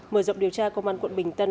mở rộng điều tra công an quận bình tân